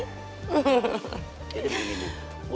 jadi begini bu